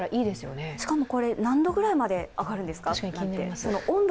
何度ぐらいまで上がるんですか。